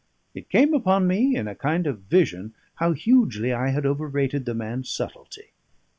It came upon me in a kind of vision how hugely I had overrated the man's subtlety.